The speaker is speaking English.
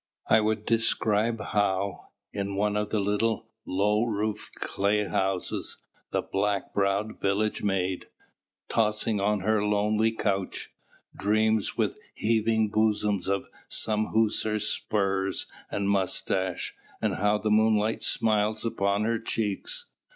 I would describe how, in one of the little, low roofed, clay houses, the black browed village maid, tossing on her lonely couch, dreams with heaving bosom of some hussar's spurs and moustache, and how the moonlight smiles upon her cheeks.